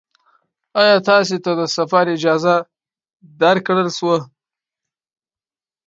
ایا تاسې ته د سفر اجازه درکړل شوه؟